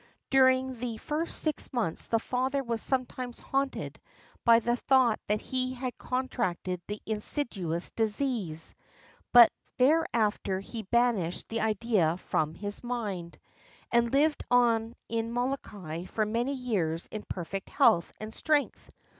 During the 532 FATHER DAMIEN first six months the Father was sometimes haunted by the thought that he had contracted the insidious dis ease, but thereafter he banished the idea from his mind, and lived on in Molokai for many years in perfect health and strength.